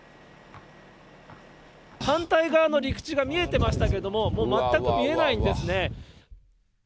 反対側の陸地が見えてましたけど、もう全く見えないんですね。